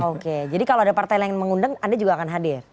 oke jadi kalau ada partai lain yang mengundang anda juga akan hadir